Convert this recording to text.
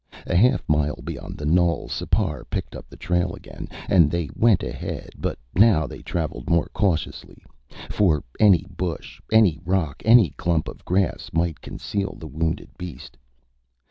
A half mile beyond the knoll, Sipar picked up the trail again and they went ahead, but now they traveled more cautiously, for any bush, any rock, any clump of grass might conceal the wounded beast.